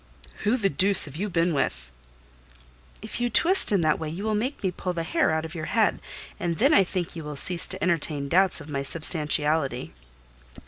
"Who the deuce have you been with?" "If you twist in that way you will make me pull the hair out of your head; and then I think you will cease to entertain doubts of my substantiality."